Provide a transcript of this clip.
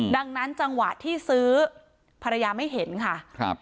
ดังนั้นจังหวะที่ซื้อภรรยาไม่เห็นค่ะครับ